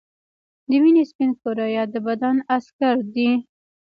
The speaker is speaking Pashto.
د وینې سپین کرویات د بدن عسکر دي